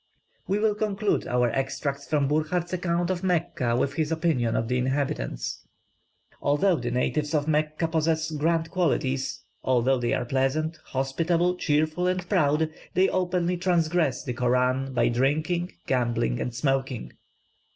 We will conclude our extracts from Burckhardt's account of Mecca with his opinion of the inhabitants. "Although the natives of Mecca possess grand qualities, although they are pleasant, hospitable, cheerful and proud, they openly transgress the Koran by drinking, gambling, and smoking.